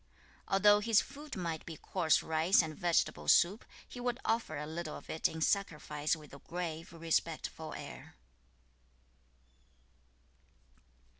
10. Although his food might be coarse rice and vegetable soup, he would offer a little of it in sacrifice with a grave, respectful air.